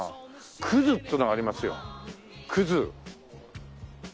「くず」っていうのがありますよ。